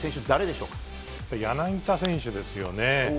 柳田選手ですね。